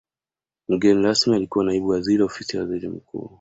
mgeni rasmi alikuwa naibu waziri ofisi ya waziri mkuu